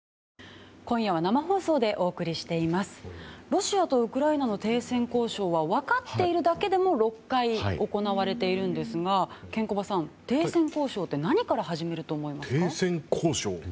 ロシアとウクライナの停戦交渉は分かっているだけでも６回行われているんですがケンコバさん、停戦交渉って何から始めると思いますか？